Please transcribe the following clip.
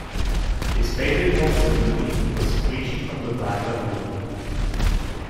His favorite monster movie was "Creature from the Black Lagoon".